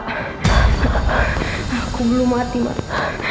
aku belum mati mala